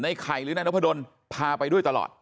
ไข่หรือนายนพดลพาไปด้วยตลอด